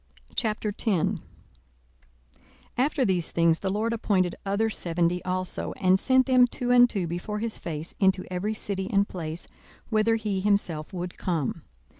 42:010:001 After these things the LORD appointed other seventy also, and sent them two and two before his face into every city and place, whither he himself would come.